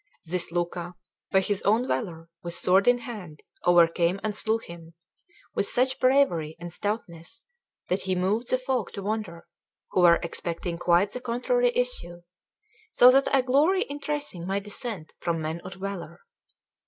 This Luca, by his own valour, with sword in hand, overcame and slew him, with such bravery and stoutness that he moved the folk to wonder, who were expecting quite the contrary issue; so that I glory in tracing my descent from men of valour.